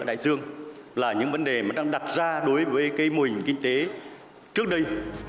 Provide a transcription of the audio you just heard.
đại dương là những vấn đề mà đang đặt ra đối với cây mùi kinh tế trước đây